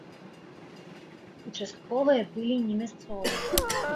Участковыя былі не мясцовыя.